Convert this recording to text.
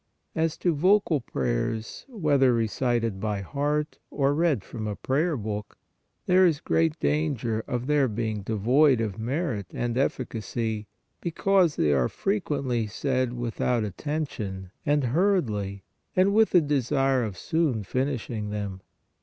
As to vocal prayers, whether recited by heart or read from a prayer book, there is great danger of their being devoid of merit and efficacy, because they are frequently said without attention and hur riedly and with the desire of soon finishing them.